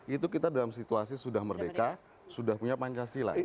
itu kita dalam situasi sudah merdeka sudah punya pancasila